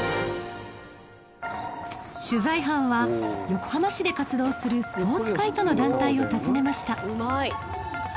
取材班は横浜市で活動するスポーツカイトの団体を訪ねました